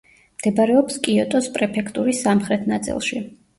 მდებარეობს კიოტოს პრეფექტურის სამხრეთ ნაწილში.